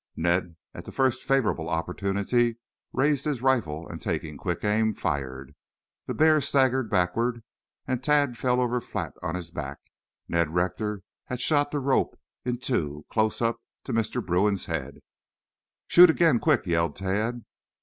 Ned, at the first favorable opportunity, raised his rifle and, taking quick aim, fired. The bear staggered backward, and Tad fell over flat on his back. Ned Rector had shot the rope in two close up to Mr. Bruin's head. "Shoot again! Quick!" yelled Tad.